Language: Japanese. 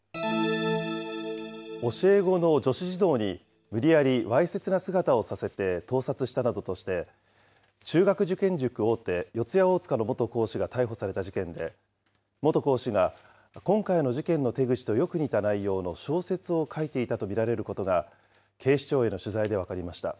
教え子の女子児童に、無理やりわいせつな姿をさせて、盗撮したなどとして、中学受験塾大手、四谷大塚の元講師が逮捕された事件で、元講師が、今回の事件の手口とよく似た内容の小説を書いていたと見られることが警視庁への取材で分かりました。